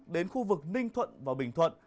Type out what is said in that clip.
đến khu vực ninh thuận và bình thuận